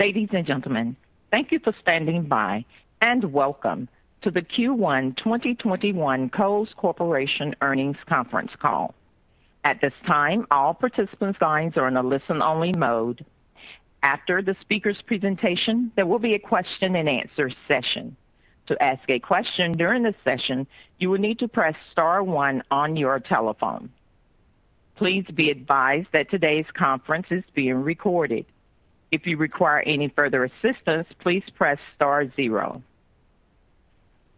Ladies and gentlemen, thank you for standing by, and welcome to the Q1 2021 Kohl's Corporation Earnings Conference Call.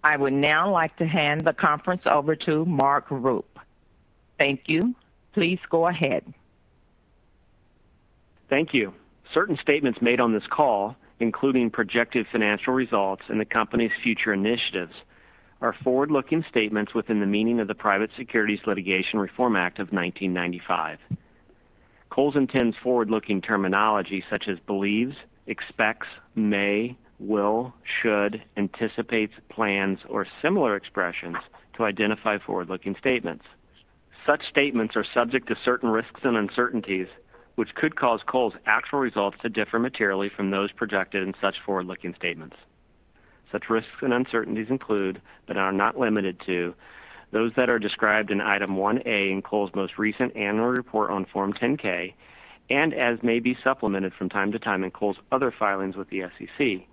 I would now like to hand the conference over to Mark Rupe. Thank you. Please go ahead. Thank you. Certain statements made on this call, including projected financial results and the company's future initiatives, are forward-looking statements within the meaning of the Private Securities Litigation Reform Act of 1995. Kohl's intends forward-looking terminology such as believes, expects, may, will, should, anticipates, plans, or similar expressions to identify forward-looking statements. Such statements are subject to certain risks and uncertainties, which could cause Kohl's actual results to differ materially from those projected in such forward-looking statements. Such risks and uncertainties include, but are not limited to, those that are described in Item 1A in Kohl's most recent annual report on Form 10-K and as may be supplemented from time to time in Kohl's other filings with the SEC,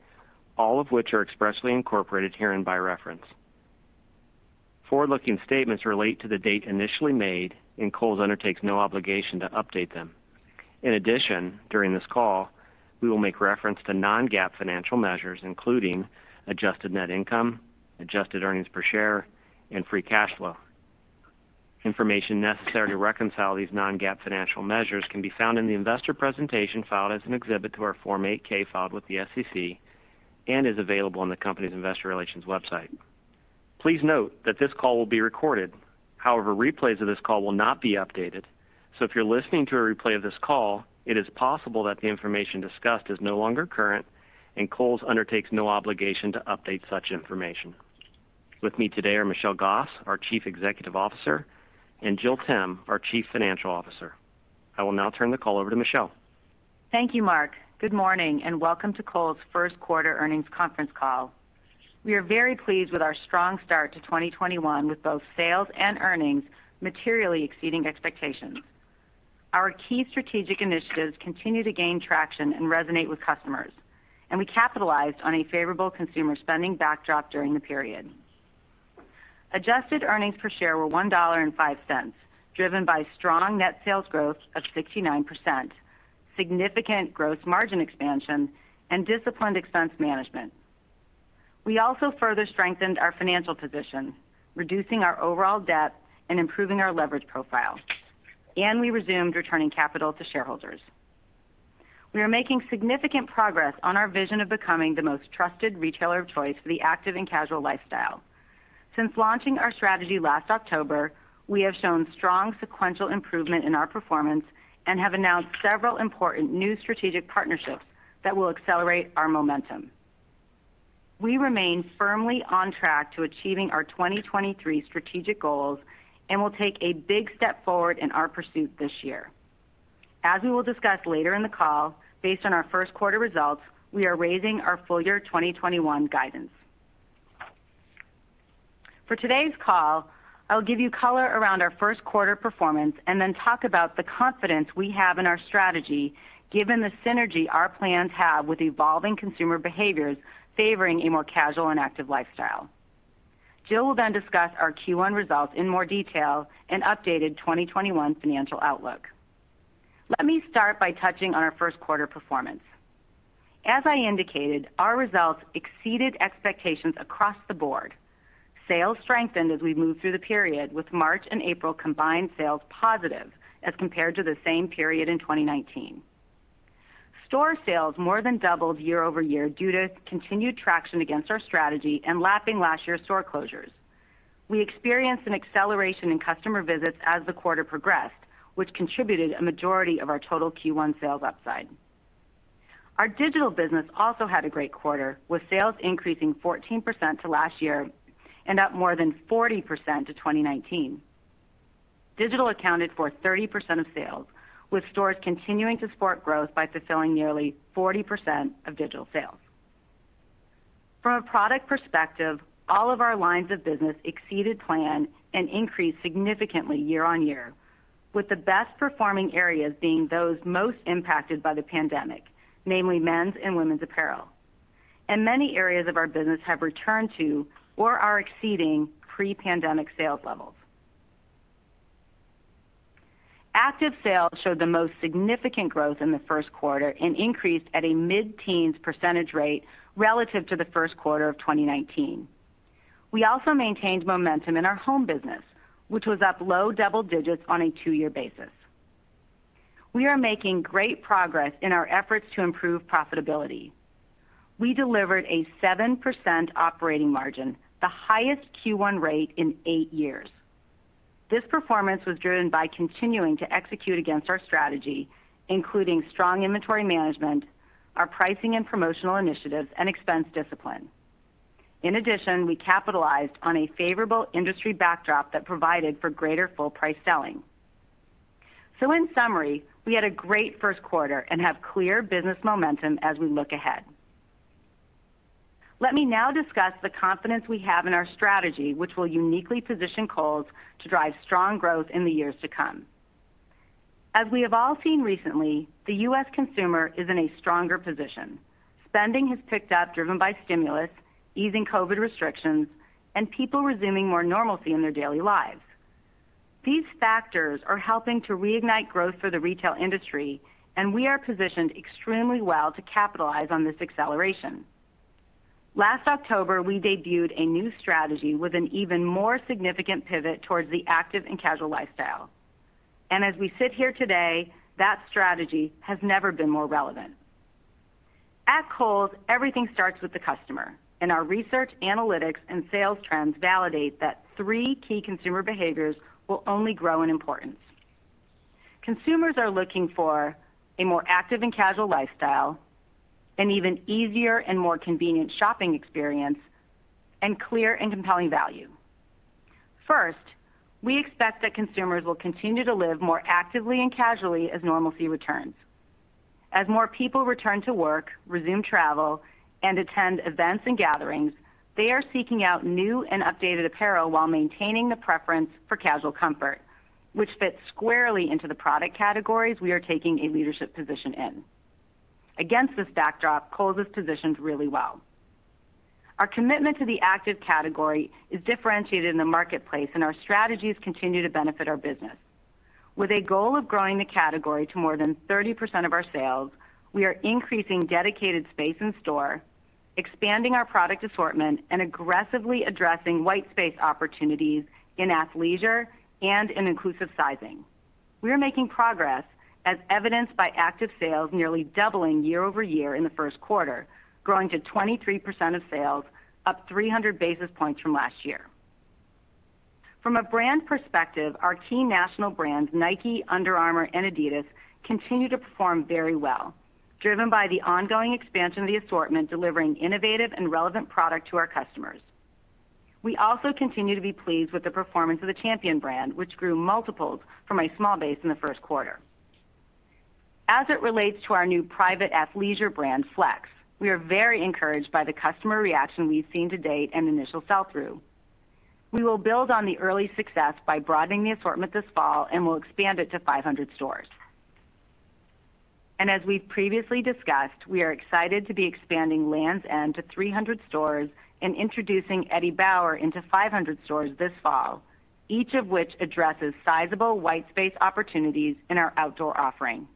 all of which are expressly incorporated herein by reference. Forward-looking statements relate to the date initially made, and Kohl's undertakes no obligation to update them. In addition, during this call, we will make reference to non-GAAP financial measures, including adjusted net income, adjusted earnings per share, and free cash flow. Information necessary to reconcile these non-GAAP financial measures can be found in the investor presentation filed as an exhibit to our Form 8-K filed with the SEC and is available on the company's investor relations website. Please note that this call will be recorded. However, replays of this call will not be updated. If you're listening to a replay of this call, it is possible that the information discussed is no longer current and Kohl's undertakes no obligation to update such information. With me today are Michelle Gass, our Chief Executive Officer, and Jill Timm, our Chief Financial Officer. I will now turn the call over to Michelle. Thank you, Mark. Good morning and welcome to Kohl's first quarter earnings conference call. We are very pleased with our strong start to 2021 with both sales and earnings materially exceeding expectations. Our key strategic initiatives continue to gain traction and resonate with customers, and we capitalized on a favorable consumer spending backdrop during the period. Adjusted earnings per share were $1.05, driven by strong net sales growth of 69%, significant gross margin expansion, and disciplined expense management. We also further strengthened our financial position, reducing our overall debt and improving our leverage profile. We resumed returning capital to shareholders. We are making significant progress on our vision of becoming the most trusted retailer of choice for the active and casual lifestyle. Since launching our strategy last October, we have shown strong sequential improvement in our performance and have announced several important new strategic partnerships that will accelerate our momentum. We remain firmly on track to achieving our 2023 strategic goals and will take a big step forward in our pursuit this year. As we will discuss later in the call, based on our first quarter results, we are raising our full year 2021 guidance. For today's call, I will give you color around our first quarter performance and then talk about the confidence we have in our strategy given the synergy our plans have with evolving consumer behaviors favoring a more casual and active lifestyle. Jill will then discuss our Q1 results in more detail and updated 2021 financial outlook. Let me start by touching on our first quarter performance. As I indicated, our results exceeded expectations across the board. Sales strengthened as we moved through the period with March and April combined sales positive as compared to the same period in 2019. Store sales more than doubled year-over-year due to continued traction against our strategy and lapping last year's store closures. We experienced an acceleration in customer visits as the quarter progressed, which contributed a majority of our total Q1 sales upside. Our digital business also had a great quarter, with sales increasing 14% to last year and up more than 40% to 2019. Digital accounted for 30% of sales, with stores continuing to support growth by fulfilling nearly 40% of digital sales. From a product perspective, all of our lines of business exceeded plan and increased significantly year-on-year, with the best performing areas being those most impacted by the pandemic, namely men's and women's apparel. Many areas of our business have returned to or are exceeding pre-pandemic sales levels. Active sales showed the most significant growth in the first quarter and increased at a mid-teens percentage rate relative to the first quarter of 2019. We also maintained momentum in our home business, which was up low double digits on a two-year basis. We are making great progress in our efforts to improve profitability. We delivered a 7% operating margin, the highest Q1 rate in eight years. This performance was driven by continuing to execute against our strategy, including strong inventory management, our pricing and promotional initiatives, and expense discipline. In addition, we capitalized on a favorable industry backdrop that provided for greater full price selling. In summary, we had a great first quarter and have clear business momentum as we look ahead. Let me now discuss the confidence we have in our strategy, which will uniquely position Kohl's to drive strong growth in the years to come. As we have all seen recently, the U.S. consumer is in a stronger position. Spending has picked up, driven by stimulus, easing COVID restrictions, and people resuming more normalcy in their daily lives. These factors are helping to reignite growth for the retail industry. We are positioned extremely well to capitalize on this acceleration. Last October, we debuted a new strategy with an even more significant pivot towards the active and casual lifestyle. As we sit here today, that strategy has never been more relevant. At Kohl's, everything starts with the customer. Our research, analytics, and sales trends validate that three key consumer behaviors will only grow in importance. Consumers are looking for a more active and casual lifestyle, an even easier and more convenient shopping experience, and clear and compelling value. First, we expect that consumers will continue to live more actively and casually as normalcy returns. As more people return to work, resume travel, and attend events and gatherings, they are seeking out new and updated apparel while maintaining the preference for casual comfort, which fits squarely into the product categories we are taking a leadership position in. Against this backdrop, Kohl's is positioned really well. Our commitment to the active category is differentiated in the marketplace, and our strategies continue to benefit our business. With a goal of growing the category to more than 30% of our sales, we are increasing dedicated space in store, expanding our product assortment, and aggressively addressing white space opportunities in athleisure and in inclusive sizing. We are making progress, as evidenced by active sales nearly doubling year-over-year in the first quarter, growing to 23% of sales, up 300 basis points from last year. From a brand perspective, our key national brands, Nike, Under Armour, and Adidas, continue to perform very well, driven by the ongoing expansion of the assortment, delivering innovative and relevant product to our customers. We also continue to be pleased with the performance of the Champion brand, which grew multiples from a small base in the first quarter. As it relates to our nw private athleisure brand, FLX, we are very encouraged by the customer reaction we've seen to date and initial sell-through. We will build on the early success by broadening the assortment this fall and will expand it to 500 stores. As we've previously discussed, we are excited to be expanding Lands' End to 300 stores and introducing Eddie Bauer into 500 stores this fall, each of which addresses sizable white space opportunities in our outdoor offering.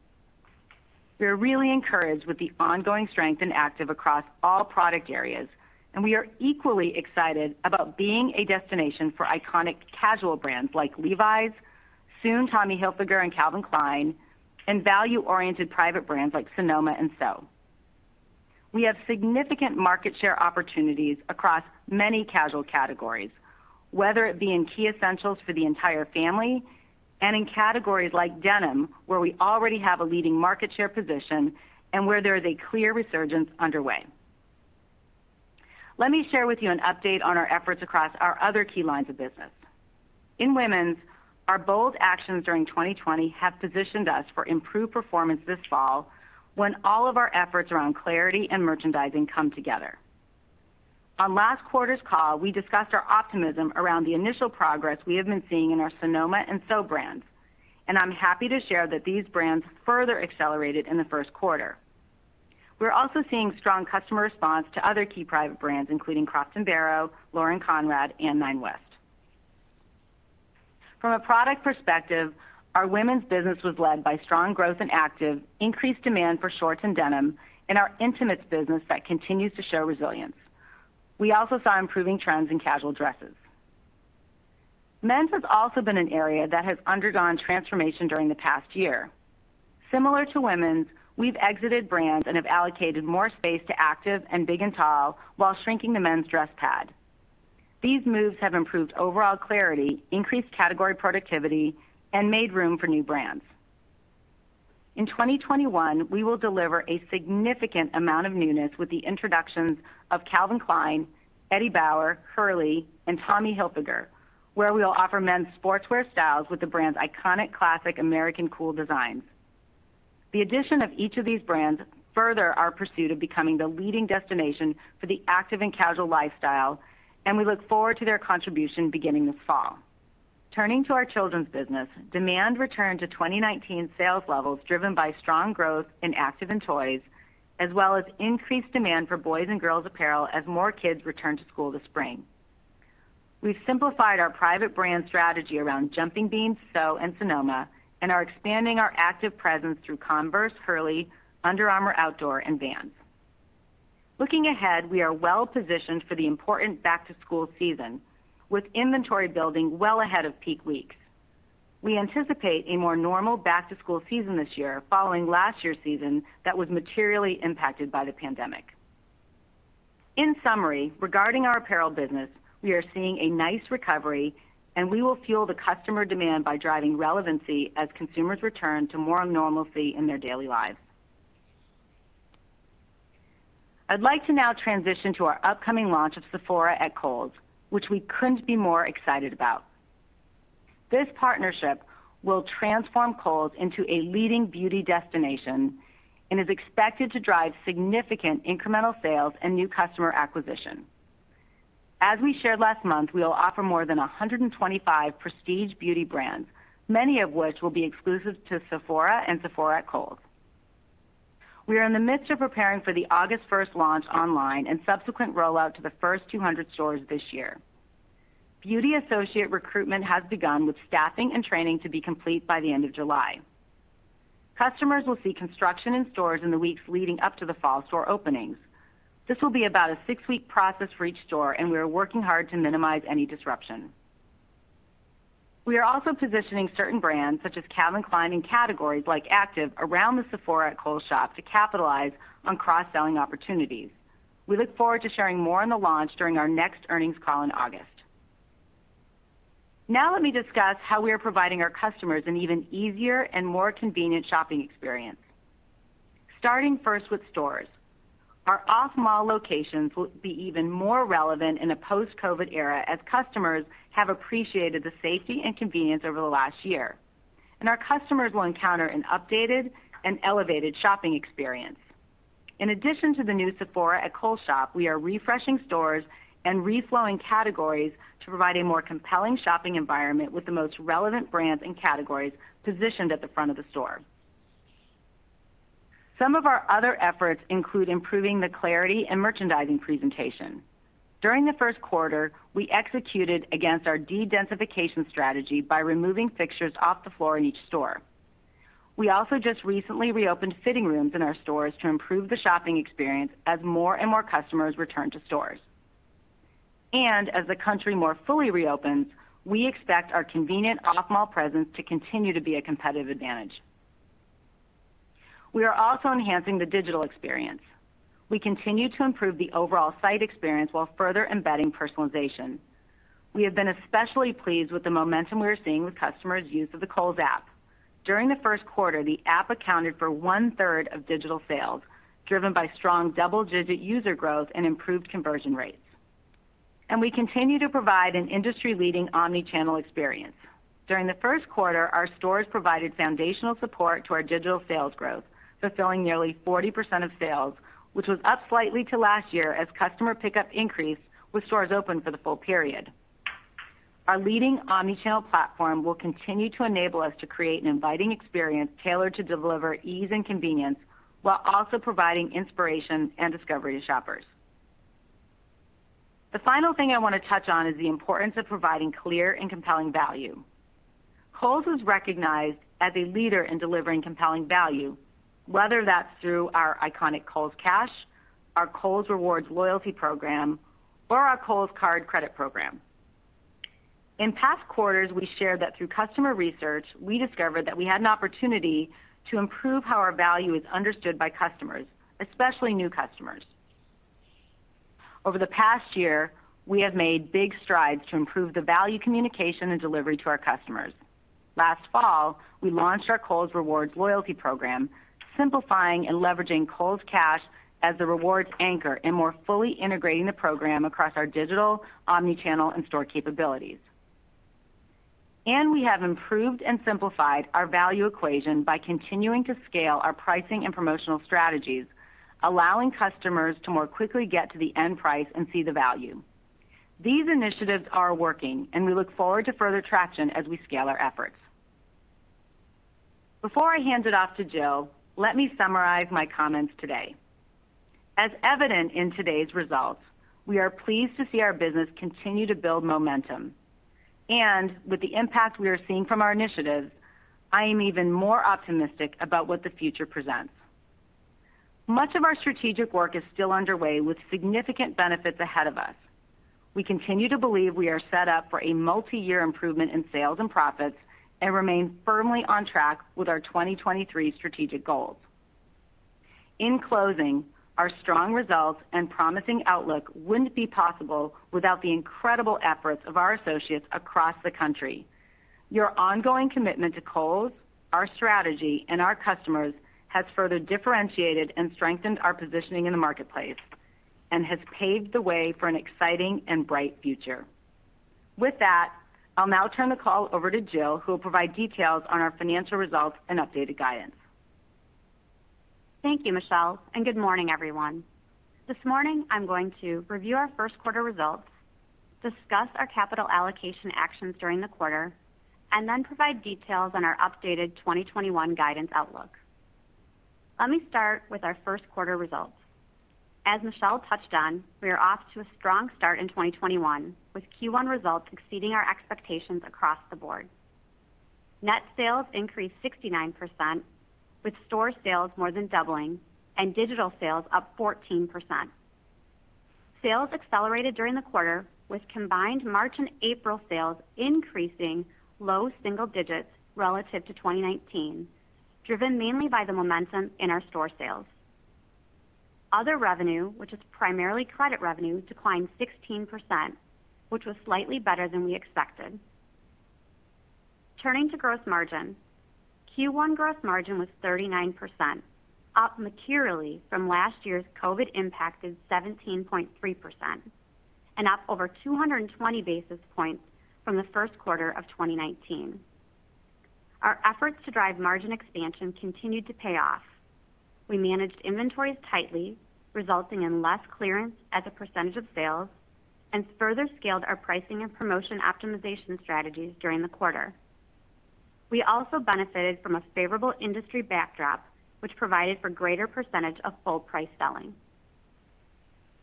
We are really encouraged with the ongoing strength in active across all product areas, and we are equally excited about being a destination for iconic casual brands like Levi's, soon Tommy Hilfiger and Calvin Klein, and value-oriented private brands like Sonoma and SO. We have significant market share opportunities across many casual categories, whether it be in key essentials for the entire family and in categories like denim, where we already have a leading market share position and where there is a clear resurgence underway. Let me share with you an update on our efforts across our other key lines of business. In women's, our bold actions during 2020 have positioned us for improved performance this fall when all of our efforts around clarity and merchandising come together. On last quarter's call, we discussed our optimism around the initial progress we have been seeing in our Sonoma and SO brands, and I'm happy to share that these brands further accelerated in the first quarter. We are also seeing strong customer response to other key private brands, including Croft & Barrow, Lauren Conrad, and Nine West. From a product perspective, our women's business was led by strong growth in active, increased demand for shorts and denim, and our intimates business that continues to show resilience. We also saw improving trends in casual dresses. Men's has also been an area that has undergone transformation during the past year. Similar to women's, we've exited brands and have allocated more space to active and big and tall while shrinking the men's dress pad. These moves have improved overall clarity, increased category productivity, and made room for new brands. In 2021, we will deliver a significant amount of newness with the introductions of Calvin Klein, Eddie Bauer, Hurley, and Tommy Hilfiger, where we will offer men's sportswear styles with the brand's iconic classic American cool designs. The addition of each of these brands further our pursuit of becoming the leading destination for the active and casual lifestyle, and we look forward to their contribution beginning this fall. Turning to our children's business, demand returned to 2019 sales levels, driven by strong growth in active and toys, as well as increased demand for boys' and girls' apparel as more kids return to school this spring. We've simplified our private brand strategy around Jumping Beans, SO, and Sonoma, and are expanding our active presence through Converse, Hurley, Under Armour Outdoor, and Vans. Looking ahead, we are well-positioned for the important back-to-school season, with inventory building well ahead of peak weeks. We anticipate a more normal back-to-school season this year following last year's season that was materially impacted by the pandemic. In summary, regarding our apparel business, we are seeing a nice recovery, and we will fuel the customer demand by driving relevancy as consumers return to more normalcy in their daily lives. I'd like to now transition to our upcoming launch of Sephora at Kohl's, which we couldn't be more excited about. This partnership will transform Kohl's into a leading beauty destination and is expected to drive significant incremental sales and new customer acquisition. As we shared last month, we'll offer more than 125 prestige beauty brands, many of which will be exclusive to Sephora and Sephora at Kohl's. We are in the midst of preparing for the August 1st launch online and subsequent rollout to the first 200 stores this year. Beauty associate recruitment has begun with staffing and training to be complete by the end of July. Customers will see construction in stores in the weeks leading up to the fall store openings. This will be about a six-week process for each store, and we are working hard to minimize any disruption. We are also positioning certain brands, such as Calvin Klein, and categories, like active, around the Sephora at Kohl's shop to capitalize on cross-selling opportunities. We look forward to sharing more on the launch during our next earnings call in August. Now let me discuss how we are providing our customers an even easier and more convenient shopping experience. Starting first with stores. Our off-mall locations will be even more relevant in a post-COVID era as customers have appreciated the safety and convenience over the last year. Our customers will encounter an updated and elevated shopping experience. In addition to the new Sephora at Kohl's shop, we are refreshing stores and reflowing categories to provide a more compelling shopping environment with the most relevant brands and categories positioned at the front of the store. Some of our other efforts include improving the clarity and merchandising presentation. During the first quarter, we executed against our de-densification strategy by removing fixtures off the floor in each store. We also just recently reopened fitting rooms in our stores to improve the shopping experience as more and more customers return to stores. As the country more fully reopens, we expect our convenient off-mall presence to continue to be a competitive advantage. We are also enhancing the digital experience. We continue to improve the overall site experience while further embedding personalization. We have been especially pleased with the momentum we are seeing with customers' use of the Kohl's app. During the first quarter, the app accounted for 1/3 of digital sales, driven by strong double-digit user growth and improved conversion rates. We continue to provide an industry-leading omni-channel experience. During the first quarter, our stores provided foundational support to our digital sales growth, fulfilling nearly 40% of sales, which was up slightly to last year as customer pickup increased with stores open for the full period. Our leading omni-channel platform will continue to enable us to create an inviting experience tailored to deliver ease and convenience while also providing inspiration and discovery to shoppers. The final thing I want to touch on is the importance of providing clear and compelling value. Kohl's was recognized as a leader in delivering compelling value, whether that's through our iconic Kohl's Cash, our Kohl's Rewards loyalty program, or our Kohl's Card credit program. In past quarters, we shared that through customer research, we discovered that we had an opportunity to improve how our value is understood by customers, especially new customers. Over the past year, we have made big strides to improve the value communication and delivery to our customers. Last fall, we launched our Kohl's Rewards loyalty program, simplifying and leveraging Kohl's Cash as the rewards anchor and more fully integrating the program across our digital, omni-channel, and store capabilities. We have improved and simplified our value equation by continuing to scale our pricing and promotional strategies, allowing customers to more quickly get to the end price and see the value. These initiatives are working, and we look forward to further traction as we scale our efforts. Before I hand it off to Jill, let me summarize my comments today. As evident in today's results, we are pleased to see our business continue to build momentum. With the impact we are seeing from our initiatives, I am even more optimistic about what the future presents. Much of our strategic work is still underway with significant benefits ahead of us. We continue to believe we are set up for a multiyear improvement in sales and profits and remain firmly on track with our 2023 strategic goals. In closing, our strong results and promising outlook wouldn't be possible without the incredible efforts of our associates across the country. Your ongoing commitment to Kohl's, our strategy, and our customers has further differentiated and strengthened our positioning in the marketplace and has paved the way for an exciting and bright future. With that, I'll now turn the call over to Jill, who will provide details on our financial results and updated guidance. Thank you, Michelle. Good morning, everyone. This morning, I'm going to review our first quarter results, discuss our capital allocation actions during the quarter, and then provide details on our updated 2021 guidance outlook. Let me start with our first quarter results. As Michelle touched on, we are off to a strong start in 2021 with Q1 results exceeding our expectations across the board. Net sales increased 69%, with store sales more than doubling and digital sales up 14%. Sales accelerated during the quarter with combined March and April sales increasing low single digits relative to 2019, driven mainly by the momentum in our store sales. Other revenue, which is primarily credit revenue, declined 16%, which was slightly better than we expected. Turning to gross margin, Q1 gross margin was 39%, up materially from last year's COVID-impacted 17.3%, and up over 220 basis points from the first quarter of 2019. Our efforts to drive margin expansion continued to pay off. We managed inventories tightly, resulting in less clearance as a percentage of sales, and further scaled our pricing and promotion optimization strategies during the quarter. We also benefited from a favorable industry backdrop, which provided for greater percentage of full price selling.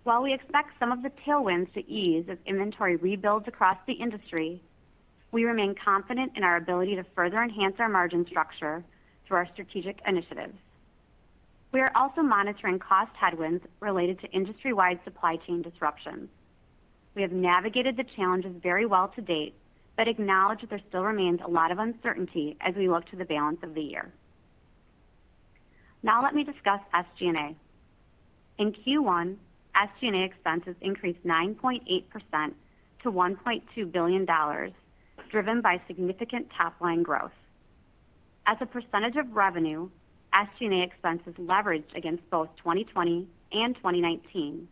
While we expect some of the tailwinds to ease as inventory rebuilds across the industry, we remain confident in our ability to further enhance our margin structure through our strategic initiatives. We are also monitoring cost headwinds related to industry-wide supply chain disruptions. We have navigated the challenges very well to date, but acknowledge that there still remains a lot of uncertainty as we look to the balance of the year. Now let me discuss SG&A. In Q1, SG&A expenses increased 9.8% to $1.2 billion, driven by significant top-line growth. As a percentage of revenue, SG&A expense has leveraged against both 2020 and 2019,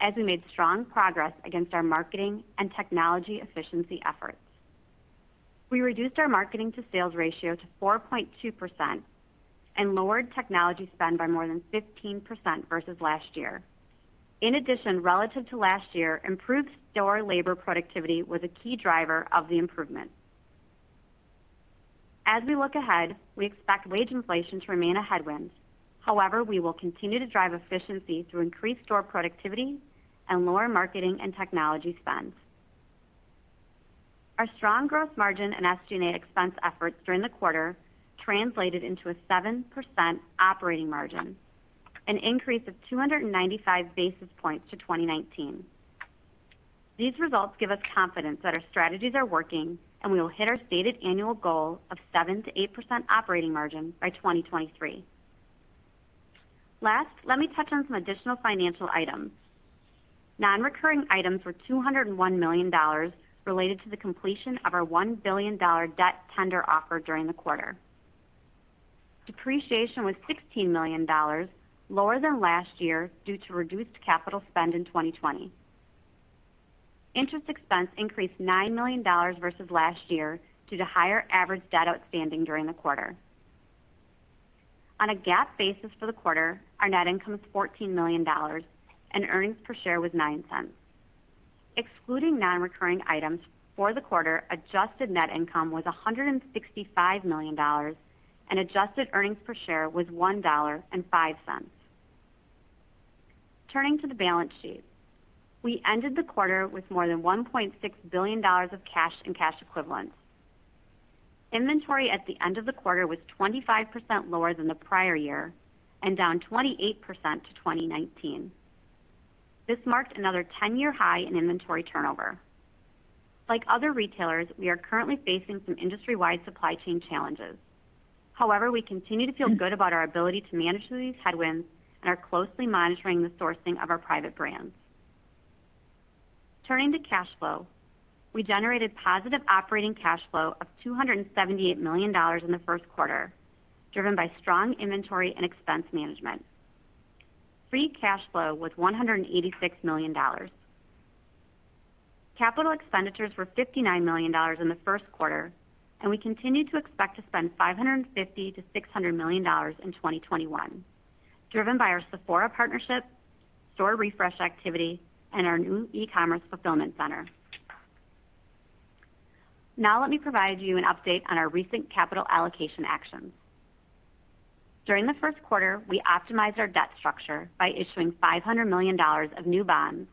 as we made strong progress against our marketing and technology efficiency efforts. We reduced our marketing to sales ratio to 4.2% and lowered technology spend by more than 15% versus last year. In addition, relative to last year, improved store labor productivity was a key driver of the improvement. We expect wage inflation to remain a headwind. We will continue to drive efficiency through increased store productivity and lower marketing and technology spends. Our strong gross margin and SG&A expense efforts during the quarter translated into a 7% operating margin, an increase of 295 basis points to 2019. These results give us confidence that our strategies are working, and we will hit our stated annual goal of 7%-8% operating margin by 2023. Last, let me touch on some additional financial items. Non-recurring items were $201 million related to the completion of our $1 billion debt tender offer during the quarter. Depreciation was $16 million, lower than last year due to reduced capital spend in 2020. Interest expense increased $9 million versus last year due to higher average debt outstanding during the quarter. On a GAAP basis for the quarter, our net income was $14 million and earnings per share was $0.09. Excluding non-recurring items for the quarter, adjusted net income was $165 million, and adjusted earnings per share was $1.05. Turning to the balance sheet. We ended the quarter with more than $1.6 billion of cash and cash equivalents. Inventory at the end of the quarter was 25% lower than the prior year and down 28% to 2019. This marked another 10-year high in inventory turnover. Like other retailers, we are currently facing some industry-wide supply chain challenges. However, we continue to feel good about our ability to manage through these headwinds and are closely monitoring the sourcing of our private brands. Turning to cash flow. We generated positive operating cash flow of $278 million in the first quarter, driven by strong inventory and expense management. Free cash flow was $186 million. Capital expenditures were $59 million in the first quarter, and we continue to expect to spend $550 million-$600 million in 2021, driven by our Sephora partnership, store refresh activity, and our new e-commerce fulfillment center. Now let me provide you an update on our recent capital allocation actions. During the first quarter, we optimized our debt structure by issuing $500 million of new bonds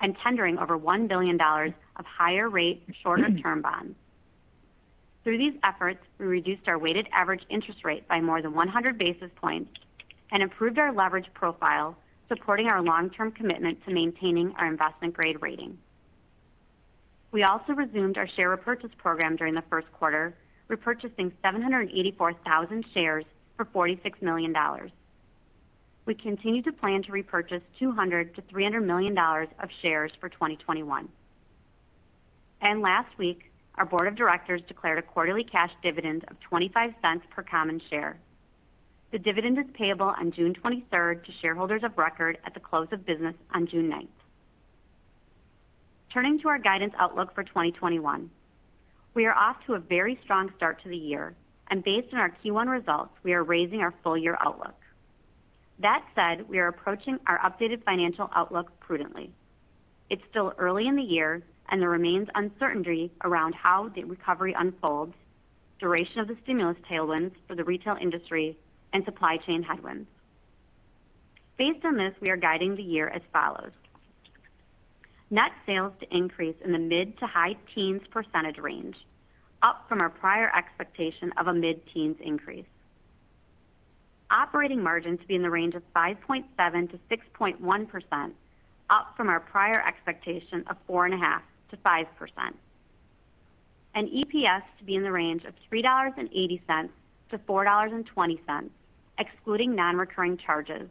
and tendering over $1 billion of higher rate, shorter-term bonds. Through these efforts, we reduced our weighted average interest rate by more than 100 basis points and improved our leverage profile, supporting our long-term commitment to maintaining our investment-grade rating. We also resumed our share repurchase program during the first quarter, repurchasing 784,000 shares for $46 million. We continue to plan to repurchase $200 million-$300 million of shares for 2021. Last week, our board of directors declared a quarterly cash dividend of $0.25 per common share. The dividend is payable on June 23rd to shareholders of record at the close of business on June 9th. Turning to our guidance outlook for 2021. We are off to a very strong start to the year, and based on our Q1 results, we are raising our full-year outlook. That said, we are approaching our updated financial outlook prudently. It's still early in the year, and there remains uncertainty around how the recovery unfolds, duration of the stimulus tailwinds for the retail industry, and supply chain headwinds. Based on this, we are guiding the year as follows. Net sales to increase in the mid-to-high teens percentage range, up from our prior expectation of a mid-teens increase. Operating margin to be in the range of 5.7%-6.1%, up from our prior expectation of 4.5%-5%. EPS to be in the range of $3.80-$4.20, excluding non-recurring charges.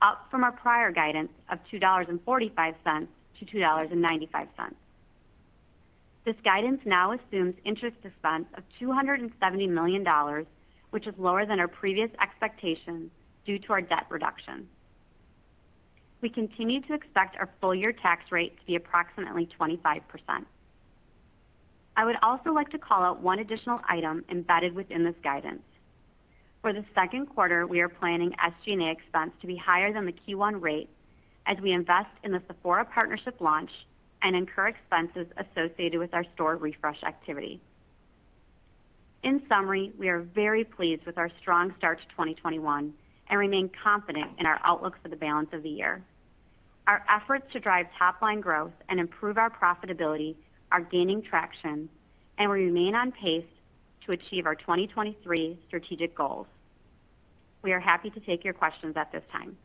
Up from our prior guidance of $2.45-$2.95. This guidance now assumes interest expense of $270 million, which is lower than our previous expectations due to our debt reduction. We continue to expect our full-year tax rate to be approximately 25%. I would also like to call out one additional item embedded within this guidance. For the second quarter, we are planning SG&A expense to be higher than the Q1 rate as we invest in the Sephora partnership launch and incur expenses associated with our store refresh activity. In summary, we are very pleased with our strong start to 2021 and remain confident in our outlook for the balance of the year. Our efforts to drive top-line growth and improve our profitability are gaining traction, and we remain on pace to achieve our 2023 strategic goals. We are happy to take your questions at this time.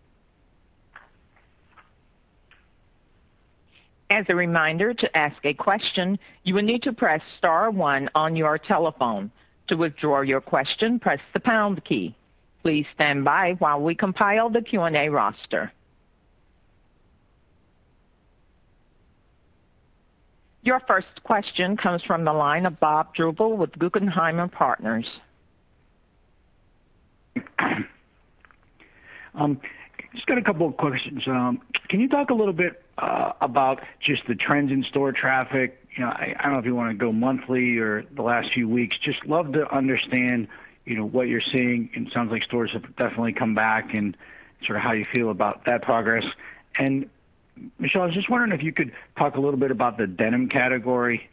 Your first question comes from the line of Bob Drbul with Guggenheim Partners. Just got a couple of questions. Can you talk a little bit about just the trends in store traffic? I don't know if you want to go monthly or the last few weeks. Just love to understand what you're seeing, and it sounds like stores have definitely come back, and sort of how you feel about that progress. Michelle, I was just wondering if you could talk a little bit about the denim category.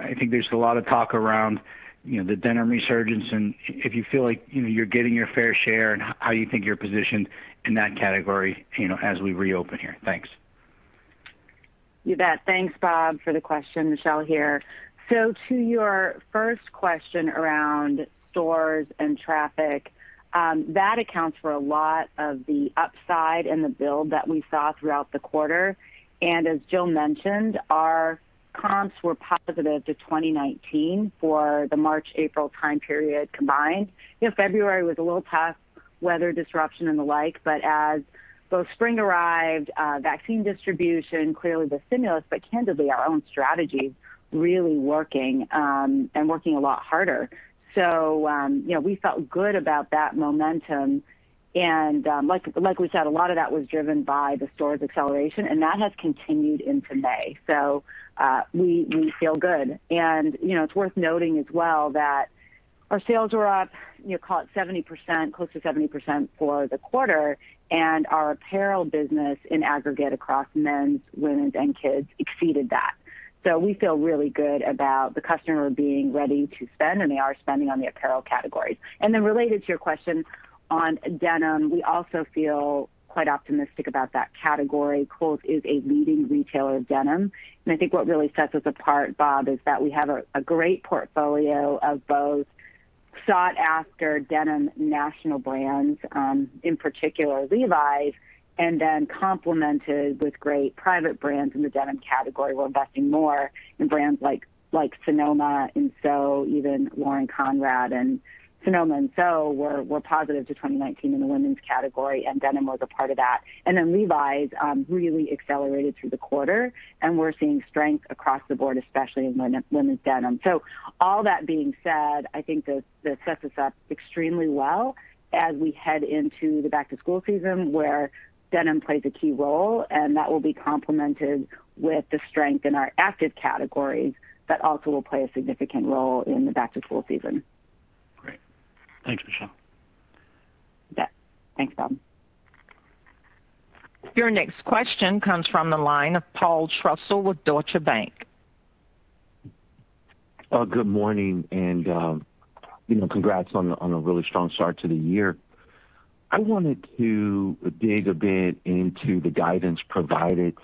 I think there's a lot of talk around the denim resurgence, and if you feel like you're getting your fair share and how you think you're positioned in that category as we reopen here. Thanks. You bet. Thanks, Bob, for the question. Michelle here. To your first question around stores and traffic, that accounts for a lot of the upside and the build that we saw throughout the quarter. As Jill mentioned, our comps were positive to 2019 for the March, April time period combined. February was a little tough, weather disruption and the like, as both spring arrived, vaccine distribution, clearly the stimulus, candidly, our own strategy really working, and working a lot harder. We felt good about that momentum. Like we said, a lot of that was driven by the stores acceleration, and that has continued into May. We feel good. It's worth noting as well that our sales were up, call it 70%, close to 70% for the quarter, and our apparel business in aggregate across men's, women's, and kids exceeded that. We feel really good about the customer being ready to spend, and they are spending on the apparel categories. Related to your question on denim, we also feel quite optimistic about that category. Kohl's is a leading retailer of denim, and I think what really sets us apart, Bob, is that we have a great portfolio of both sought-after denim national brands, in particular Levi's, and then complemented with great private brands in the denim category. We're investing more in brands like Sonoma and SO, even Lauren Conrad. Sonoma and SO were positive to 2019 in the women's category, and denim was a part of that. Levi's really accelerated through the quarter, and we're seeing strength across the board, especially in women's denim. All that being said, I think this sets us up extremely well as we head into the back-to-school season, where denim plays a key role, and that will be complemented with the strength in our active categories that also will play a significant role in the back-to-school season. Great. Thanks, Michelle. You bet. Thanks, Bob. Your next question comes from the line of Paul Trussell with Deutsche Bank. Good morning. Congrats on a really strong start to the year. I wanted to dig a bit into the guidance provided.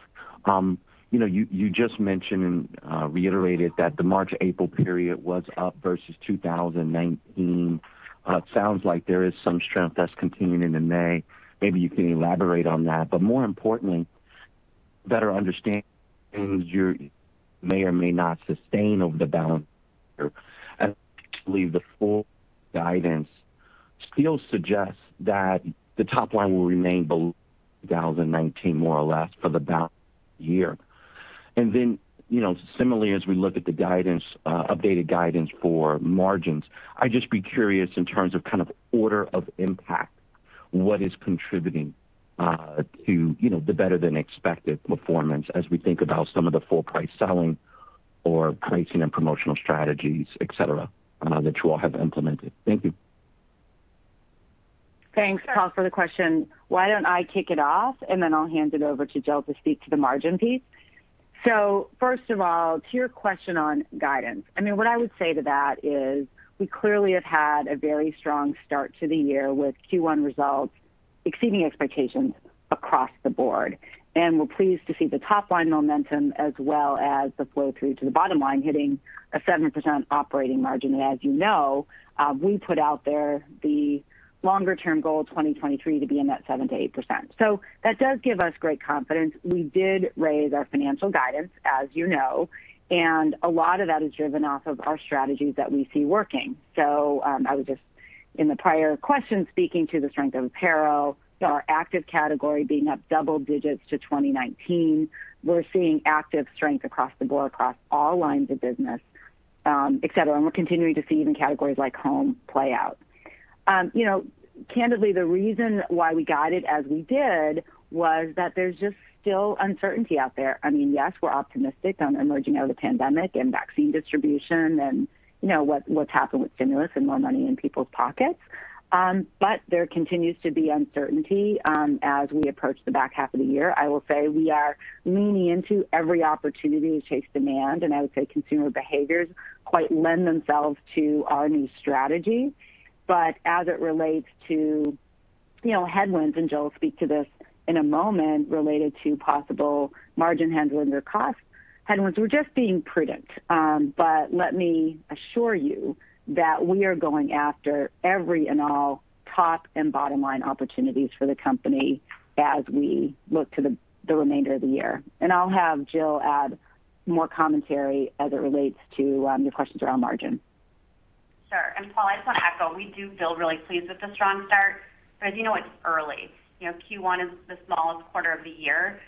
You just mentioned and reiterated that the March, April period was up versus 2019. It sounds like there is some strength that's continuing into May. Maybe you can elaborate on that. More importantly, better understand things you may or may not sustain over the balance of the year. I believe the full guidance still suggests that the top line will remain below 2019, more or less, for the balance of the year. Similarly, as we look at the updated guidance for margins, I'd just be curious in terms of order of impact, what is contributing to the better-than-expected performance as we think about some of the full-price selling or pricing and promotional strategies, et cetera, that you all have implemented. Thank you. Thanks, Paul, for the question. Why don't I kick it off, and then I'll hand it over to Jill to speak to the margin piece. First of all, to your question on guidance, what I would say to that is we clearly have had a very strong start to the year with Q1 results exceeding expectations across the board. We're pleased to see the top-line momentum as well as the flow-through to the bottom line hitting a 7% operating margin. As you know, we put out there the longer-term goal of 2023 to be in that 7%-8%. That does give us great confidence. We did raise our financial guidance, as you know, a lot of that is driven off of our strategies that we see working. In the prior question, speaking to the strength of apparel, our active category being up double digits to 2019. We're seeing active strength across the board, across all lines of business, et cetera, and we're continuing to see even categories like home play out. Candidly, the reason why we guided as we did was that there's just still uncertainty out there. Yes, we're optimistic on emerging out of the pandemic and vaccine distribution and what's happened with stimulus and more money in people's pockets. There continues to be uncertainty as we approach the back half of the year. I will say, we are leaning into every opportunity to chase demand, and I would say consumer behaviors quite lend themselves to our new strategy. As it relates to headwinds, and Jill will speak to this in a moment, related to possible margin headwinds or cost headwinds, we're just being prudent. Let me assure you that we are going after every and all top and bottom-line opportunities for the company as we look to the remainder of the year. I'll have Jill add more commentary as it relates to your questions around margin. Sure. Paul, I just want to echo, we do feel really pleased with the strong start, but as you know, it's early. Q1 is the smallest quarter of the year.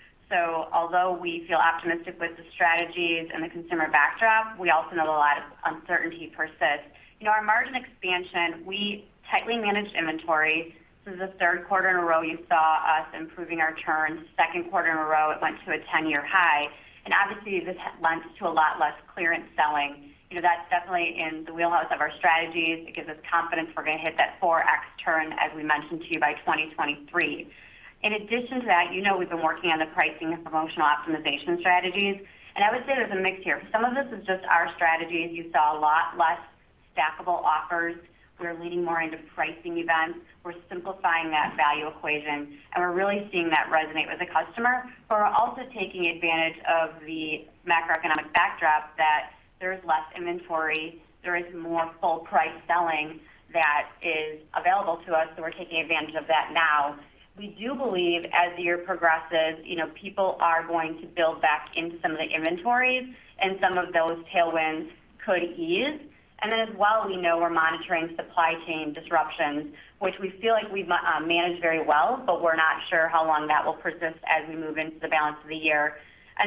Although we feel optimistic with the strategies and the consumer backdrop, we also know a lot of uncertainty persists. Our margin expansion, we tightly managed inventory. This is the third quarter in a row you saw us improving our turns. Second quarter in a row, it went to a 10-year high. Obviously this lends to a lot less clearance selling. That's definitely in the wheelhouse of our strategies. It gives us confidence we're going to hit that 4x turn, as we mentioned to you, by 2023. In addition to that, you know we've been working on the pricing and promotional optimization strategies. I would say there's a mix here. Some of this is just our strategies. You saw a lot less stackable offers. We are leaning more into pricing events. We're simplifying that value equation, and we're really seeing that resonate with the customer. We're also taking advantage of the macroeconomic backdrop that there is less inventory, there is more full price selling that is available to us, so we're taking advantage of that now. We do believe as the year progresses, people are going to build back into some of the inventories and some of those tailwinds could ease. Then as well, we know we're monitoring supply chain disruptions, which we feel like we've managed very well, but we're not sure how long that will persist as we move into the balance of the year.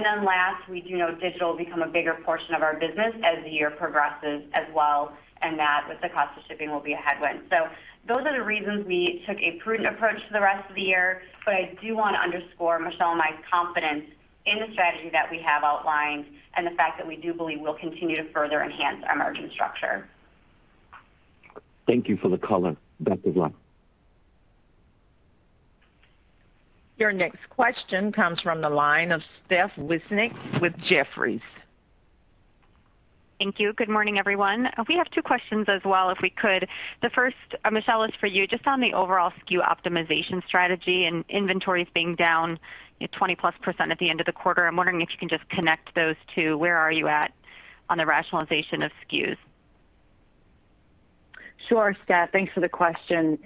Last, we do know digital will become a bigger portion of our business as the year progresses as well, and that with the cost of shipping will be a headwind. Those are the reasons we took a prudent approach to the rest of the year. I do want to underscore Michelle and my confidence in the strategy that we have outlined and the fact that we do believe we'll continue to further enhance our margin structure. Thank you for the color. Best of luck. Your next question comes from the line of Steph Wissink with Jefferies. Thank you. Good morning, everyone. We have two questions as well, if we could. The first, Michelle, is for you, just on the overall SKU optimization strategy and inventories being down 20%+ at the end of the quarter. I'm wondering if you can just connect those two. Where are you at on the rationalization of SKUs? Sure, Steph, thanks for the question.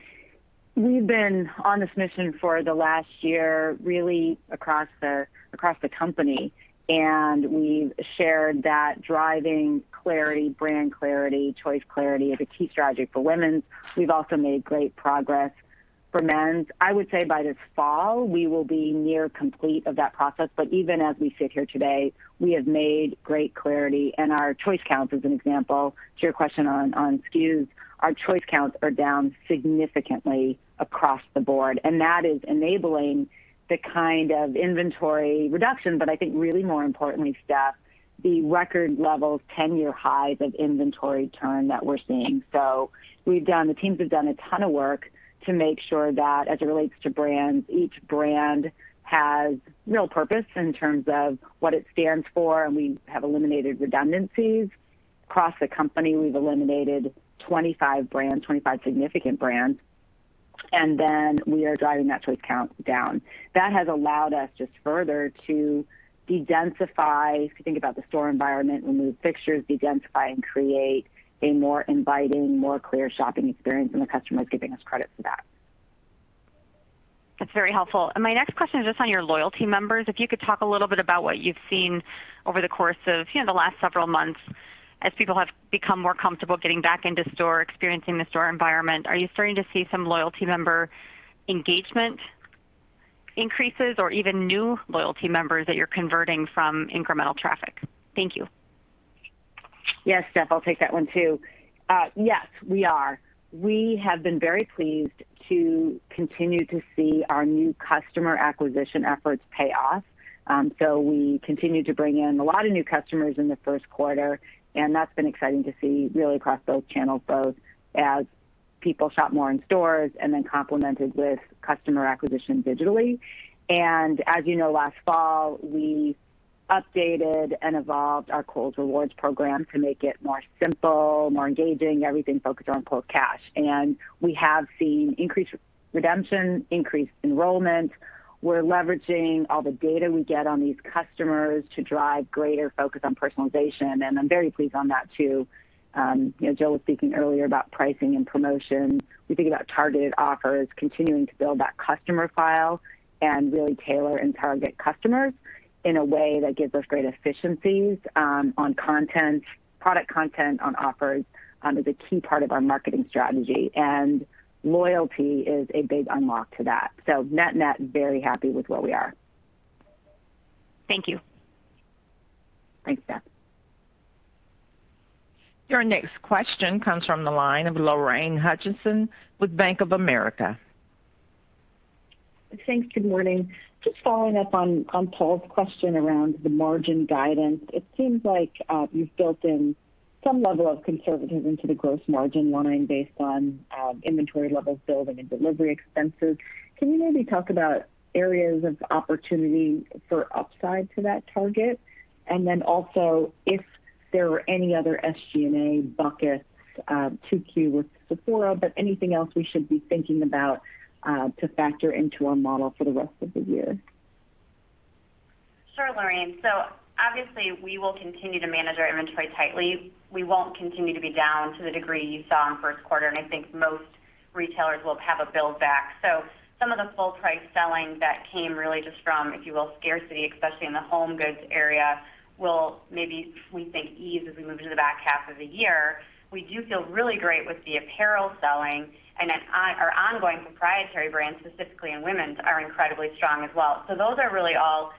We've been on this mission for the last year, really across the company, and we've shared that driving clarity, brand clarity, choice clarity is a key strategy for women's. We've also made great progress for men's. I would say by this fall, we will be near complete of that process. Even as we sit here today, we have made great clarity, and our choice counts as an example to your question on SKUs. Our choice counts are down significantly across the board, and that is enabling the kind of inventory reduction, but I think really more importantly, Steph, the record levels, 10-year highs of inventory turn that we're seeing. The teams have done a ton of work to make sure that as it relates to brands, each brand has real purpose in terms of what it stands for, and we have eliminated redundancies. Across the company, we've eliminated 25 significant brands, and then we are driving that choice count down. That has allowed us just further to de-densify. If you think about the store environment, remove fixtures, de-densify, and create a more inviting, more clear shopping experience, and the customer is giving us credit for that. That's very helpful. My next question is just on your loyalty members. If you could talk a little bit about what you've seen over the course of the last several months as people have become more comfortable getting back into store, experiencing the store environment. Are you starting to see some loyalty member engagement increases or even new loyalty members that you're converting from incremental traffic? Thank you. Yes, Steph, I'll take that one, too. Yes, we are. We have been very pleased to continue to see our new customer acquisition efforts pay off. We continued to bring in a lot of new customers in the first quarter, and that's been exciting to see really across both channels, both as people shop more in stores and then complemented with customer acquisition digitally. As you know, last fall, we updated and evolved our Kohl's Rewards program to make it more simple, more engaging, everything focused on Kohl's Cash. We have seen increased redemption, increased enrollment. We're leveraging all the data we get on these customers to drive greater focus on personalization, and I'm very pleased on that, too. Jill was speaking earlier about pricing and promotion. We think about targeted offers, continuing to build that customer file and really tailor and target customers in a way that gives us great efficiencies on product content, on offers, is a key part of our marketing strategy. Loyalty is a big unlock to that. Net, very happy with where we are. Thank you. Thanks, Steph. Your next question comes from the line of Lorraine Hutchinson with Bank of America. Thanks. Good morning. Just following up on Paul's question around the margin guidance. It seems like you've built in some level of conservatism into the gross margin line based on inventory levels building and delivery expenses. Can you maybe talk about areas of opportunity for upside to that target? Also if there were any other SG&A buckets Q2 with Sephora, but anything else we should be thinking about to factor into our model for the rest of the year? Sure, Lorraine. Obviously we will continue to manage our inventory tightly. We won't continue to be down to the degree you saw in first quarter, and I think most retailers will have a build back. Some of the full price selling that came really just from scarcity, especially in the home goods area, will maybe we think ease as we move into the back half of the year. We do feel really great with the apparel selling and our ongoing proprietary brands, specifically in women's, are incredibly strong as well. Those are really all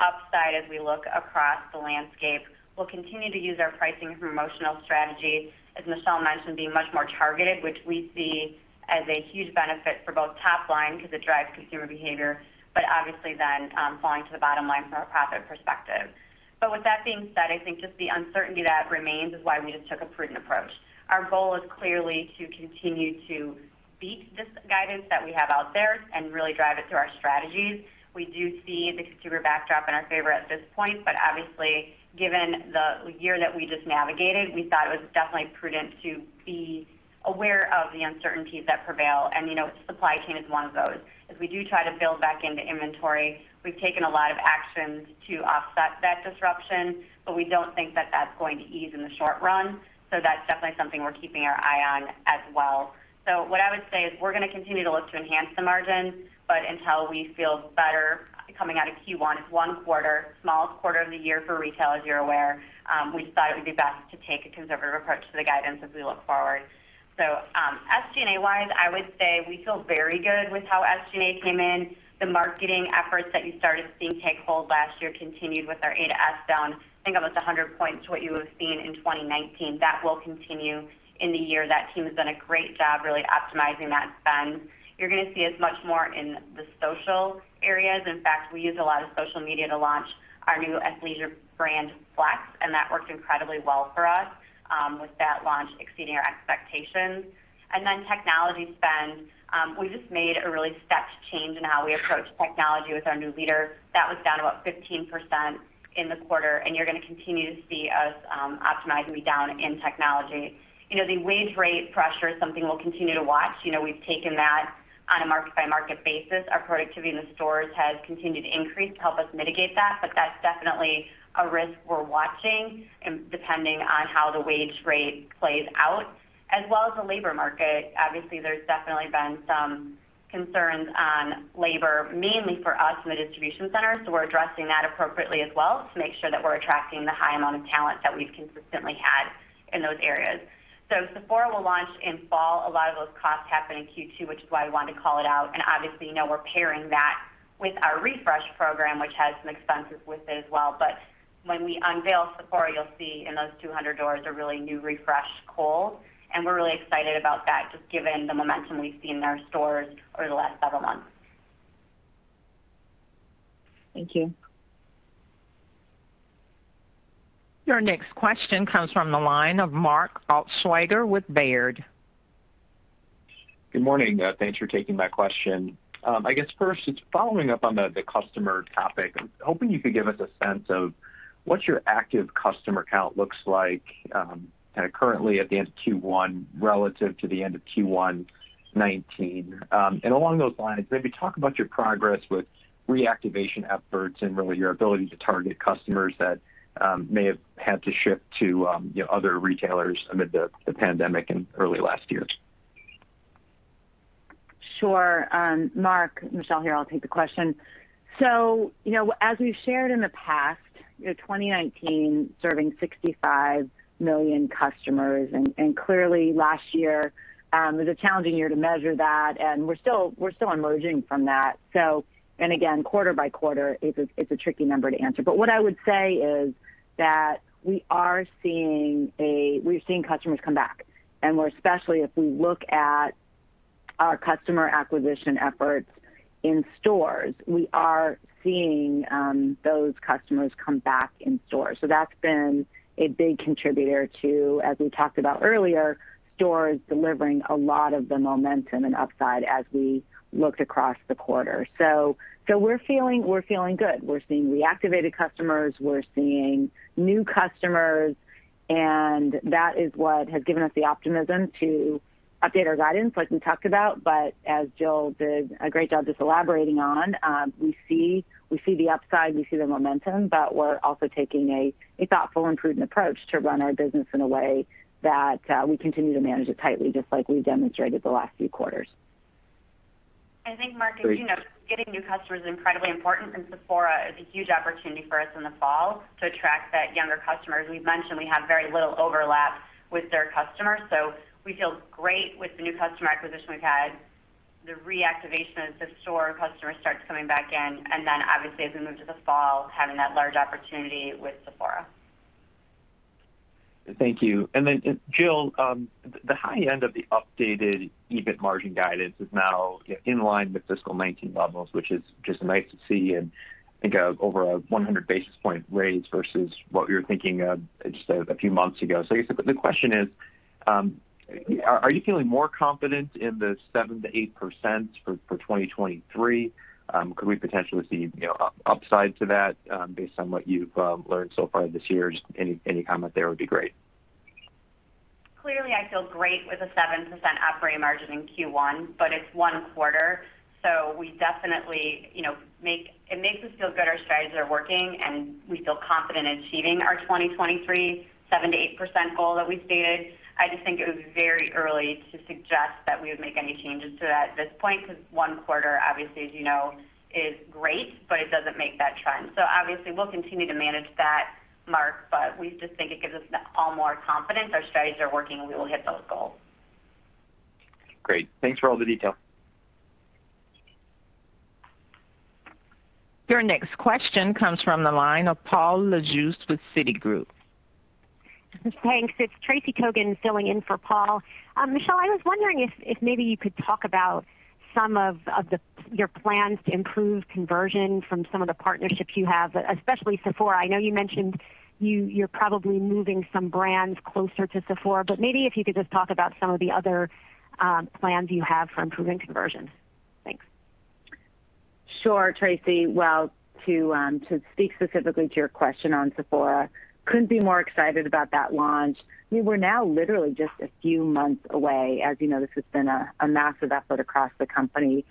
upside as we look across the landscape. We'll continue to use our pricing promotional strategy, as Michelle mentioned, being much more targeted, which we see as a huge benefit for both top line because it drives consumer behavior, but obviously then falling to the bottom line from a profit perspective. With that being said, I think just the uncertainty that remains is why we just took a prudent approach. Our goal is clearly to continue to beat this guidance that we have out there and really drive it through our strategies. We do see the consumer backdrop in our favor at this point, but obviously, given the year that we just navigated, we thought it was definitely prudent to be aware of the uncertainties that prevail, and supply chain is one of those. As we do try to build back into inventory, we've taken a lot of actions to offset that disruption, but we don't think that that's going to ease in the short run. That's definitely something we're keeping our eye on as well. What I would say is we're going to continue to look to enhance the margin, but until we feel better coming out of Q1. It's one quarter, smallest quarter of the year for retail, as you're aware. We decided to be best to take a conservative approach to the guidance as we look forward. SG&A-wise, I would say we feel very good with how SG&A came in. The marketing efforts that you started seeing take hold last year continued with our A to S spend. I think it was 100 points to what you would have seen in 2019. That will continue in the year. That team has done a great job really optimizing that spend. You're going to see us much more in the social areas. In fact, we used a lot of social media to launch our new athleisure brand, FLX, that worked incredibly well for us with that launch exceeding our expectations. Technology spend. We just made a really step change in how we approach technology with our new leader. That was down about 15% in the quarter, you're going to continue to see us optimizing down in technology. The wage rate pressure is something we'll continue to watch. We've taken that on a market-by-market basis. Our productivity in the stores has continued to increase to help us mitigate that's definitely a risk we're watching depending on how the wage rate plays out, as well as the labor market. Obviously, there's definitely been some concerns on labor, mainly for us in the distribution centers. We're addressing that appropriately as well to make sure that we're attracting the high amount of talent that we've consistently had in those areas. Sephora will launch in fall. A lot of those costs happened in Q2, which is why I wanted to call it out. Obviously, we're pairing that with our refresh program, which has some expenses with it as well. When we unveil Sephora, you'll see in those 200 stores a really new refreshed Kohl's, and we're really excited about that, just given the momentum we've seen in their stores over the last several months. Thank you. Your next question comes from the line of Mark Altschwager with Baird. Good morning. Thanks for taking my question. I guess first, just following up on the customer topic, I'm hoping you could give us a sense of what your active customer count looks like currently at the end of Q1 relative to the end of Q1 2019. Along those lines, maybe talk about your progress with reactivation efforts and really your ability to target customers that may have had to shift to other retailers amid the pandemic in early last year. Sure. Mark, Michelle here. I'll take the question. As we shared in the past, in 2019, serving 65 million customers, clearly last year was a challenging year to measure that, we're still emerging from that. Again, quarter-by-quarter, it's a tricky number to answer. What I would say is that we are seeing customers come back, more especially if we look at our customer acquisition efforts in stores. We are seeing those customers come back in stores. That's been a big contributor to, as we talked about earlier, stores delivering a lot of the momentum and upside as we looked across the quarter. We're feeling good. We're seeing reactivated customers. We're seeing new customers, that is what has given us the optimism to update our guidance, like we talked about. As Jill did a great job just elaborating on, we see the upside, we see the momentum, but we're also taking a thoughtful and prudent approach to run our business in a way that we continue to manage it tightly, just like we've demonstrated the last few quarters. I think Mark, just getting new customers is incredibly important, and Sephora is a huge opportunity for us in the fall to attract that younger customer. As we mentioned, we have very little overlap with their customers, so we feel great with new customer acquisition we've had. The reactivation of the store, customers start coming back in. Obviously as we move to the fall, having that large opportunity with Sephora. Thank you. Jill, the high end of the updated EBIT margin guidance is now in line with fiscal 2019 levels, which is just nice to see, and I think over a 100 basis point raise versus what you were thinking of just a few months ago. I guess a bit of the question is, are you feeling more confident in the 7%-8% for 2023? Could we potentially see upside to that based on what you've learned so far this year? Just any comment there would be great. Clearly, I feel great with a 7% operating margin in Q1, but it's one quarter, so it makes us feel better strategies are working, and we feel confident achieving our 2023 7%-8% goal that we stated. I just think it would be very early to suggest that we would make any changes to that at this point, because one quarter obviously, as you know, is great, but it doesn't make that trend. Obviously, we'll continue to manage that, Mark, but we just think it gives us all more confidence our strategies are working and we will hit those goals. Great. Thanks for all the detail. Your next question comes from the line of Paul Lejuez with Citigroup. Thanks. It's Tracy Kogan filling in for Paul. Michelle, I was wondering if maybe you could talk about some of your plans to improve conversion from some of the partnerships you have, especially Sephora. I know you mentioned you're probably moving some brands closer to Sephora, but maybe if you could just talk about some of the other plans you have for improving conversion. Thanks. Sure, Tracy. Well, to speak specifically to your question on Sephora, couldn't be more excited about that launch. We're now literally just a few months away. As you know, this has been a massive effort across the company,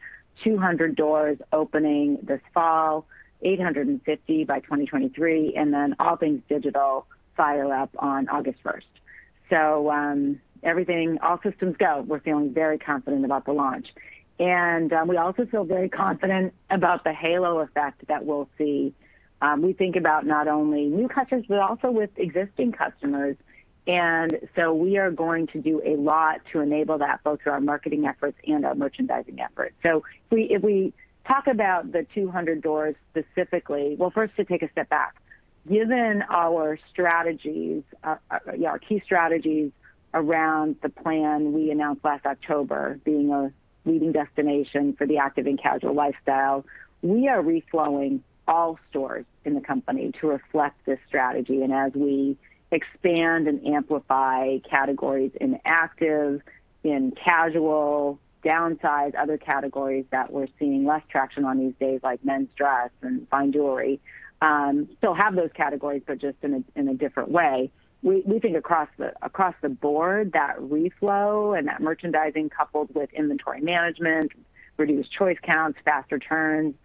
200 doors opening this fall, 850 by 2023, and then all things digital fire up on August 1st. Everything, all systems go. We're feeling very confident about the launch. We also feel very confident about the halo effect that we'll see. We think about not only new customers, but also with existing customers, and so we are going to do a lot to enable that, both through our marketing efforts and our merchandising efforts. If we talk about the 200 doors specifically. Well, first, to take a step back. Given our key strategies around the plan we announced last October, being a leading destination for the active and casual lifestyle, we are reflowing all stores in the company to reflect this strategy. As we expand and amplify categories in active, in casual, downsize other categories that we're seeing less traction on these days, like men's dress and fine jewelry. Still have those categories, but just in a different way. We think across the board that reflow and that merchandising coupled with inventory management, reduced choice counts, faster turns,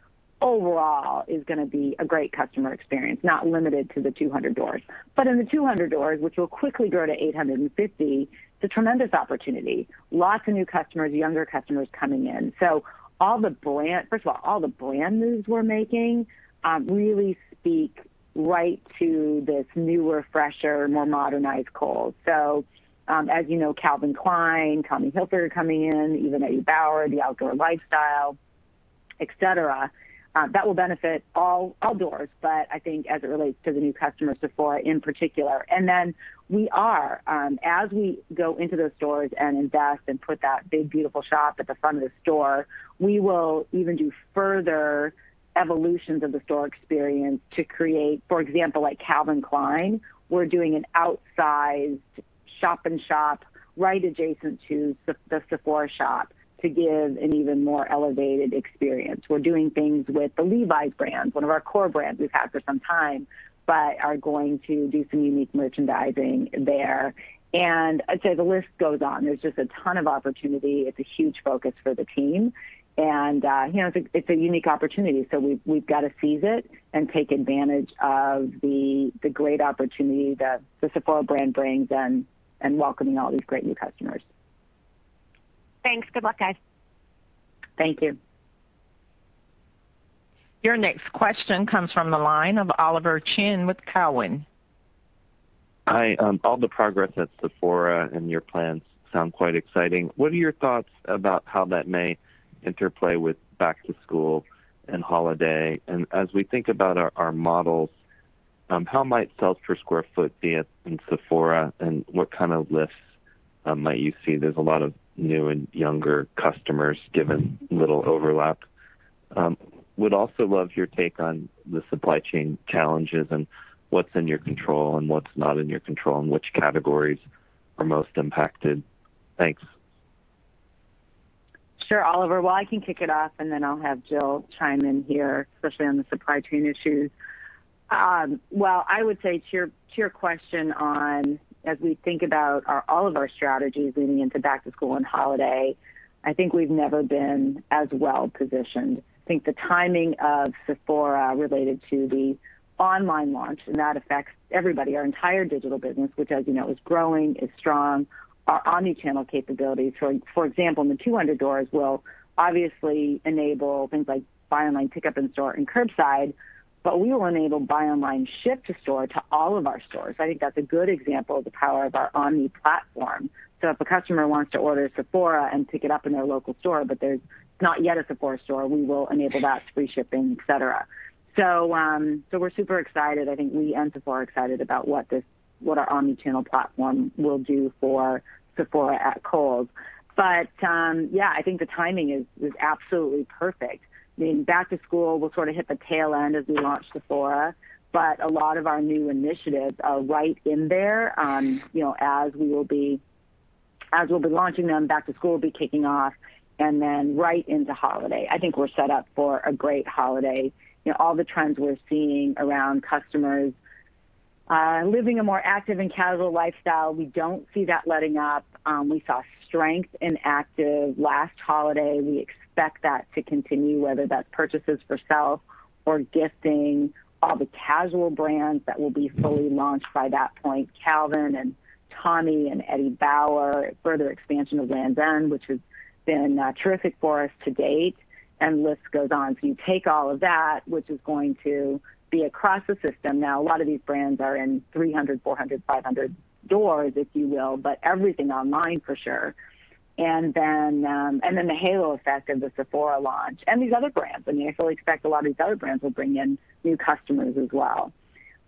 overall is going to be a great customer experience, not limited to the 200 doors. In the 200 doors, which will quickly grow to 850, it's a tremendous opportunity. Lots of new customers, younger customers coming in. First of all the brand moves we're making really speak right to this newer, fresher, more modernized Kohl's. As you know, Calvin Klein, Tommy Hilfiger are coming in, Eddie Bauer, the outdoor lifestyle, et cetera, that will benefit all doors, but I think as it relates to the new customers, Sephora in particular. We are, as we go into those stores and invest and put that big, beautiful shop at the front of the store, we will even do further evolutions of the store experience to create, for example, like Calvin Klein, we're doing an outsized shop in shop right adjacent to the Sephora shop to give an even more elevated experience. We're doing things with the Levi's brand, one of our core brands we've had for some time, but are going to do some unique merchandising there. The list goes on. There's just a ton of opportunity. It's a huge focus for the team, and it's a unique opportunity, so we've got to seize it and take advantage of the great opportunity that the Sephora brand brings and welcoming all these great new customers. Thanks. Good luck, guys. Thank you. Your next question comes from the line of Oliver Chen with Cowen. Hi. All the progress at Sephora and your plans sound quite exciting. What are your thoughts about how that may interplay with back to school and holiday? As we think about our models, how might sales per square foot be in Sephora, and what kind of lift might you see? There's a lot of new and younger customers given little overlap. Would also love your take on the supply chain challenges and what's in your control and what's not in your control, and which categories are most impacted. Thanks. Sure, Oliver. I can kick it off, and then I'll have Jill chime in here, especially on the supply chain issues. I would say to your question on, as we think about all of our strategies leading into back to school and holiday, I think we've never been as well-positioned. I think the timing of Sephora related to the online launch, and that affects everybody, our entire digital business, which, as you know, is growing, is strong. Our omni-channel capabilities, for example, in the 200 doors will obviously enable things like buy online, pickup in store and curbside, but we will enable buy online, ship to store to all of our stores. I think that's a good example of the power of our omni platform. If a customer wants to order Sephora and pick it up in their local store, but there's not yet a Sephora store, we will enable that, free shipping, et cetera. We're super excited. I think we and Sephora are excited about what our omni-channel platform will do for Sephora at Kohl's. Yeah, I think the timing is absolutely perfect. Back to school will sort of hit the tail end as we launch Sephora, but a lot of our new initiatives are right in there. As we'll be launching them, back to school will be kicking off and then right into holiday. I think we're set up for a great holiday. All the trends we're seeing around customers living a more active and casual lifestyle, we don't see that letting up. We saw strength in active last holiday. We expect that to continue, whether that's purchases for self or gifting, all the casual brands that will be fully launched by that point, Calvin and Tommy and Eddie Bauer, further expansion of Lands' End, which has been terrific for us to date. The list goes on. If you take all of that, which is going to be across the system now, a lot of these brands are in 300, 400, 500 stores, if you will. Everything online for sure. Then the halo effect of the Sephora launch and these other brands. We also expect a lot of these other brands will bring in new customers as well.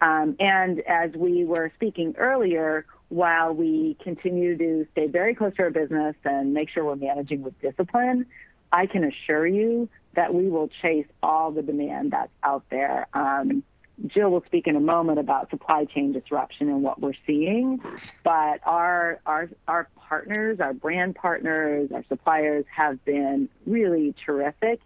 As we were speaking earlier, while we continue to stay very close to our business and make sure we're managing with discipline, I can assure you that we will chase all the demand that's out there. Jill will speak in a moment about supply chain disruption and what we're seeing. Our partners, our brand partners, our suppliers have been really terrific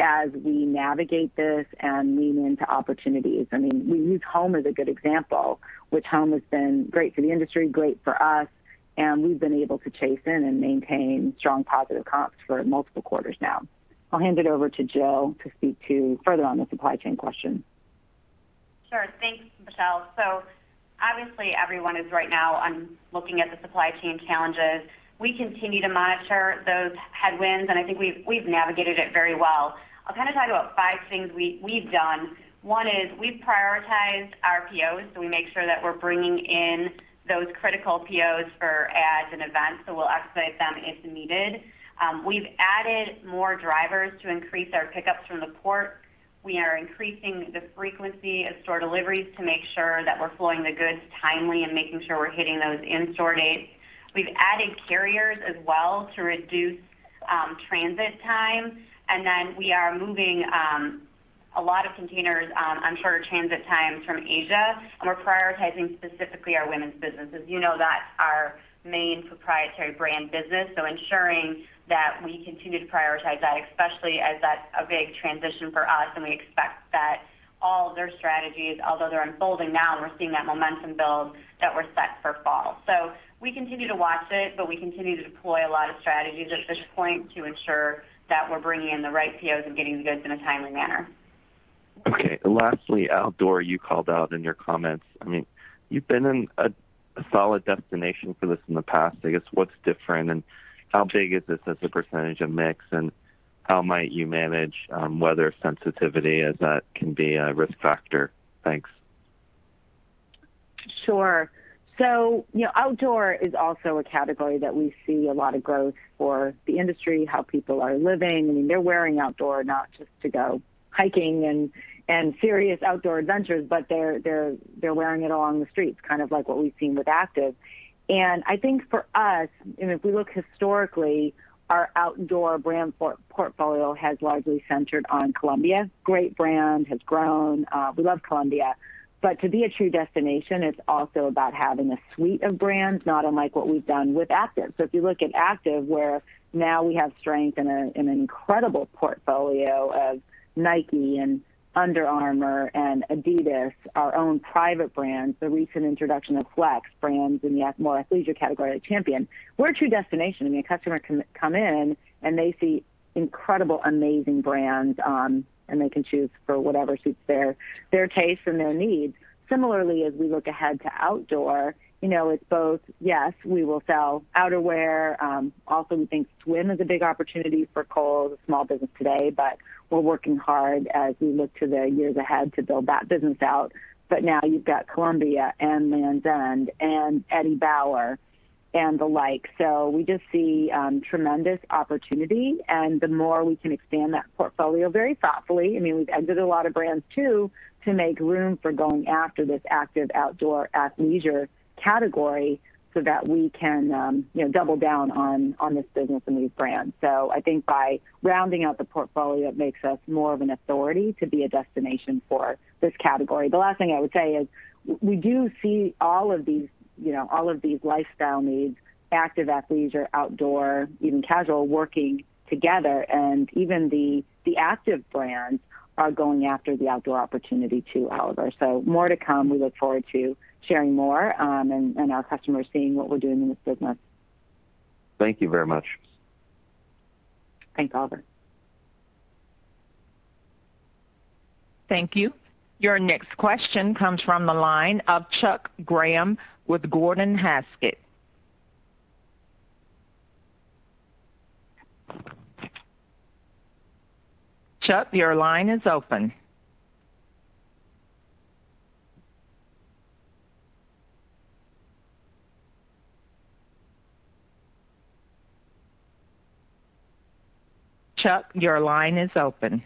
as we navigate this and lean into opportunities. I mean, we use home as a good example, which home has been great for the industry, great for us, and we've been able to chase in and maintain strong positive comps for multiple quarters now. I'll hand it over to Jill to speak to further on the supply chain question. Sure. Thanks, Michelle. Obviously, everyone is right now on looking at the supply chain challenges. We continue to monitor those headwinds, and I think we've navigated it very well. I'll kind of talk about five things we've done. One is we prioritize our POs. We make sure that we're bringing in those critical POs for ads and events. We'll expedite them if needed. We've added more drivers to increase our pickups from the port. We are increasing the frequency of store deliveries to make sure that we're flowing the goods timely and making sure we're hitting those in-store dates. We've added carriers as well to reduce transit times. We are moving a lot of containers on shorter transit times from Asia. We're prioritizing specifically our women's businesses. You know that our main proprietary brand business, so ensuring that we continue to prioritize that, especially as that's a big transition for us, and we expect that all of their strategies, although they're unfolding now and we're seeing that momentum build, that we're set for fall. We continue to watch it, but we continue to deploy a lot of strategies at this point to ensure that we're bringing in the right POs and getting goods in a timely manner. Okay. Lastly, outdoor, you called out in your comments. I mean, you've been a solid destination for this in the past. I guess what's different and how big is this as a percentage of mix, and how might you manage weather sensitivity as that can be a risk factor? Thanks. Sure. Outdoor is also a category that we see a lot of growth for the industry and how people are living. They're wearing outdoor not just to go hiking and serious outdoor adventures, but they're wearing it along the streets, kind of like what we've seen with active. I think for us, if we look historically, our outdoor brand portfolio has largely centered on Columbia. Great brand, has grown. We love Columbia. To be a true destination, it's also about having a suite of brands, not unlike what we've done with active. If you look at active, where now we have strength in an incredible portfolio of Nike and Under Armour and Adidas, our own private brands. We see an introduction of FLX brands in the athleisure category, Champion. We're a true destination. The customer can come in, they see incredible, amazing brands, they can choose for whatever suits their taste and their needs. Similarly, as we look ahead to outdoor, it's both, yes, we will sell outerwear. We think swim is a big opportunity for Kohl's, a small business today, we're working hard as we look to the years ahead to build that business out. Now you've got Columbia and Lands' End and Eddie Bauer and the like. We just see tremendous opportunity, the more we can expand that portfolio very thoughtfully. We ended a lot of brands, too, to make room for going after this active outdoor athleisure category so that we can double down on this business and these brands. I think by rounding out the portfolio, it makes us more of an authority to be a destination for this category. The last thing I would say is we do see all of these lifestyle needs, active, athleisure, outdoor, even casual, working together, and even the active brands are going after the outdoor opportunity, too, however. More to come. We look forward to sharing more, and our customers seeing what we're doing in this business. Thank you very much. Thanks, Oliver. Thank you. Your next question comes from the line of Chuck Grom with Gordon Haskett. Chuck, your line is open.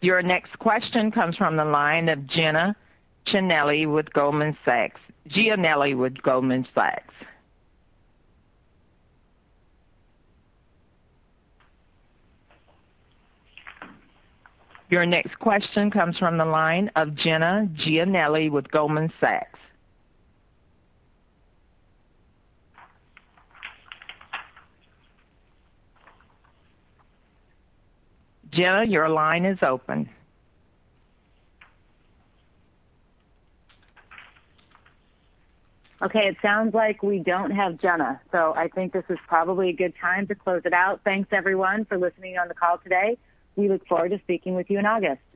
Your next question comes from the line of Jenna Giannelli with Goldman Sachs. Jenna, your line is open. Okay, it sounds like we don't have Jenna. I think this is probably a good time to close it out. Thanks, everyone, for listening on the call today. We look forward to speaking with you in August.